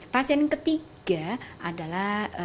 pasien ketiga adalah